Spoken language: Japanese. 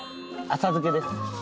浅漬けです。